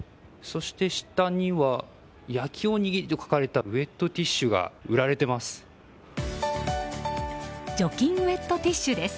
そして、下には「焼おにぎり」と書かれたウェットティッシュが売られています。